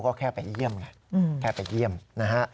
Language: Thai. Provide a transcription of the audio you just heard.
ก็แค่ไปเยี่ยมไงแค่ไปเยี่ยมนะฮะ